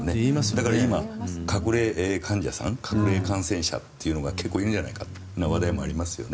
だから今、隠れ患者さん隠れ感染者というのが結構いるんじゃないかという話題もありますよね。